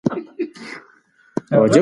هغې خپل بکس په اوږه واچاوه.